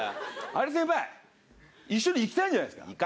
先輩、一緒に行きたいんじゃないですか。